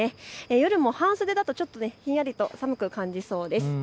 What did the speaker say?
夜も半袖だとちょっとひんやりと寒く感じそうです。